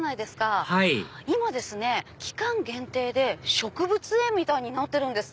はい今ですね期間限定で植物園みたいになってるんです。